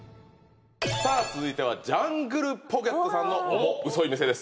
さあ続いてはジャングルポケットさんのオモウソい店です。